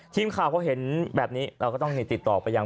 ทีมข่าวพอเห็นแบบนี้เราก็ต้องติดต่อไปยัง